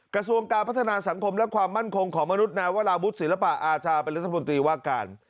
กระทรวงการพัฒนาสังคมและความมั่นคงของมนุษย์นายวราวุฒิศิลปะอาชาเป็นรัฐมนตรีว่าการ